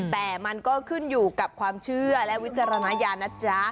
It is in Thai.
แต่มันก็ขึ้นอยู่กับความเชื่อและวิจารณญาณนะจ๊ะ